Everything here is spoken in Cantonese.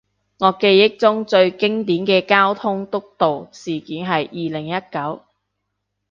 我記憶中最經典嘅交通督導事件係二零一九